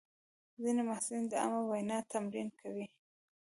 ځینې محصلین د عامه وینا تمرین کوي.